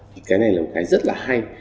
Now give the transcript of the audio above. thì cái này là một cái rất là hay